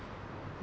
あ！